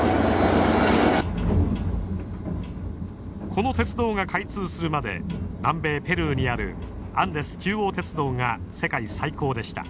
この鉄道が開通するまで南米ペルーにあるアンデス中央鉄道が世界最高でした。